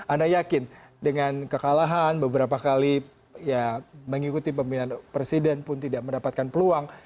anda yakin dengan kekalahan beberapa kali ya mengikuti pemilihan presiden pun tidak mendapatkan peluang